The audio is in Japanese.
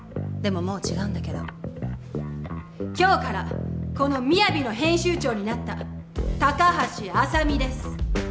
でももう違うんだけど今日からこの「ＭＩＹＡＶＩ」の編集長になった高橋麻美です